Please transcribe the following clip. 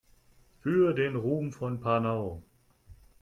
Für den Ruhm von Panau!